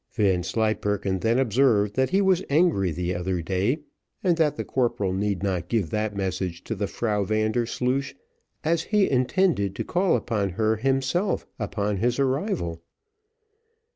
Vanslyperken then observed, that he was angry the other day, and that the corporal need not give that message to the Frau Vandersloosh, as he intended to call upon her himself upon his arrival.